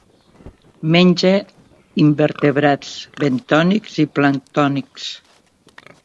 Menja invertebrats bentònics i planctònics.